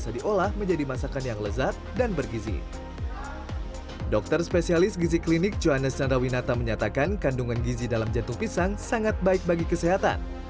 dokter spesialis gizi klinik johannes chandrawinata menyatakan kandungan gizi dalam jantung pisang sangat baik bagi kesehatan